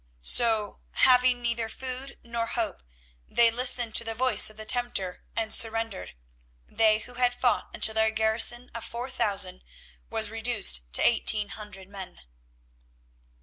So, having neither food nor hope, they listened to the voice of the tempter and surrendered, they who had fought until their garrison of four thousand was reduced to eighteen hundred men.